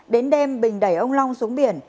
đến đêm bình đẩy ông long xuống biển